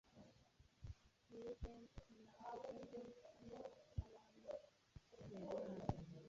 Regent na Potentate, hamwe nabami, yego imana